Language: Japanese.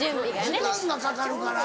時間がかかるから。